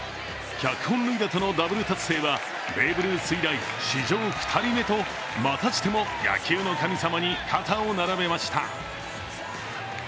１００本塁打とのダブル達成はベーブ・ルース以来史上２人目とまたしても野球の神様に肩を並べました。